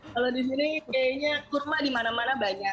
kalau di sini kayaknya kurma dimana mana banyak